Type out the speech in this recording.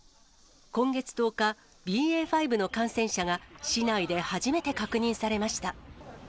今月１０日、ＢＡ．５の感染者が市内で初めて確認されました。